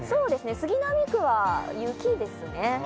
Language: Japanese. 杉並区は雪ですね。